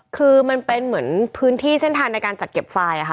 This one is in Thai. คือมันเป็นเหมือนพื้นที่เส้นทางในการจัดเก็บไฟล์ค่ะ